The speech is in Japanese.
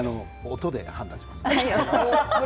音で判断します。